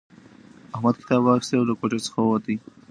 احمد کتاب واخیستی او له کوټې څخه ووتلی.